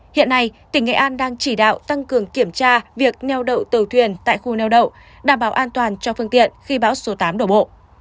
hiện nay tỉnh nghệ an đang chỉ đạo tăng cường kiểm tra việc neo đậu tàu thuyền tại khu neo đậu đảm bảo an toàn cho phương tiện khi bão số tám đổ bộ